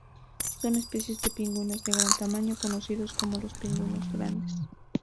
Son especies de pingüinos de gran tamaño, conocidos como los pingüinos grandes.